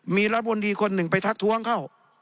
มีรัฐมนตรีคนหนึ่งไปทักท้วงเข้า